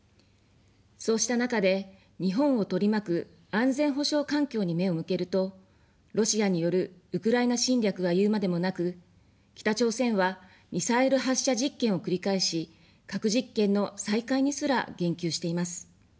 そうした中で、日本を取り巻く安全保障環境に目を向けると、ロシアによるウクライナ侵略は言うまでもなく、北朝鮮はミサイル発射実験を繰り返し、核実験の再開にすら言及しています。